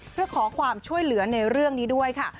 เพื่อขอความช่วยเหลือในเรื่องนี้ด้วยค่ะ